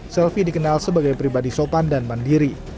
selvi dikenal sebagai pribadi sopan dan mandiri